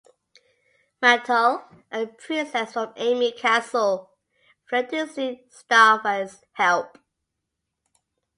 Mattel, a princess from Amy Castle, fled to seek Starfy's help.